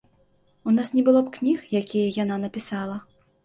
У нас не было б кніг, якія яна напісала.